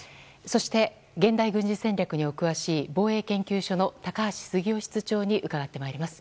そして、現代軍事戦略にお詳しい防衛研究所の高橋杉雄室長に伺ってまいります。